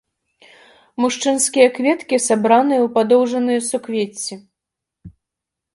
Мужчынскія кветкі сабраныя ў падоўжаныя суквецці.